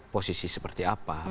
posisi seperti apa